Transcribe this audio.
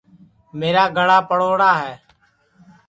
میرا گݪا پڑوڑا ہے